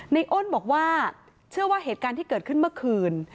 อ้นบอกว่าเชื่อว่าเหตุการณ์ที่เกิดขึ้นเมื่อคืน